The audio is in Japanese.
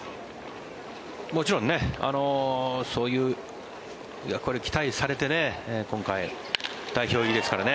もちろんねそういう役割を期待されて今回、代表入りですからね。